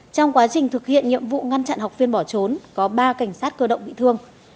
trong quá trình thực hiện nhiệm vụ ngăn chặn học viên bỏ trốn có ba cảnh sát cơ động bị thương